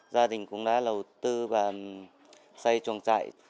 gia đình cũng đã đầu tư và xây chuồng trại